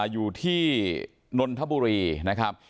อยู่ที่นนทบุรีนะครับ